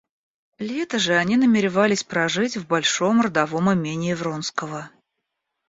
Лето же они намеревались прожить в большом родовом имении Вронского.